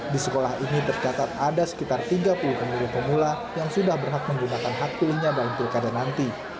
di sekolah ini tercatat ada sekitar tiga puluh pemilih pemula yang sudah berhak menggunakan hak pilihnya dalam pilkada nanti